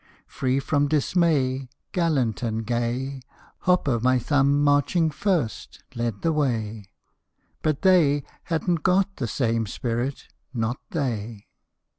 Free from dismay, Gallant and gay, Hop o' my Thumb, marching first, led the way ; But they hadn't got the same spirit not they